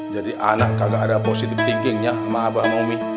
jadi anak kagak ada positif thinkingnya sama abah sama umi